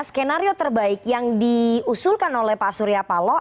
skenario terbaik yang diusulkan oleh pak surya paloh